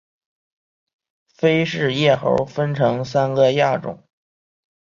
菲氏叶猴分成三个亚种